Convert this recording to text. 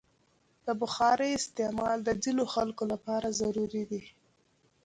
د بخارۍ استعمال د ځینو خلکو لپاره ضروري دی.